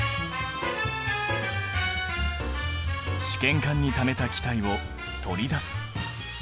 試験管にためた気体を取り出す。